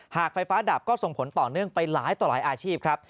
ไฟฟ้าดับก็ส่งผลต่อเนื่องไปหลายต่อหลายอาชีพครับ